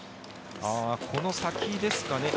この先ですか。